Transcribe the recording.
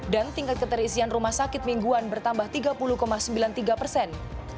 dan tingkat keterisian rumah sakit mingguan bertambah tiga puluh sembilan puluh tiga persen